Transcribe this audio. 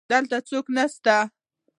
دلته څوک نسته